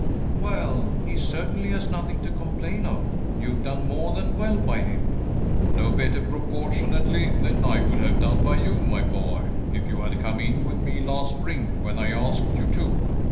"Well, he certainly has nothing to complain of; you've done more than well by him." "No better proportionately than I would have done by you, my boy, if you had come in with me last spring when I asked you to.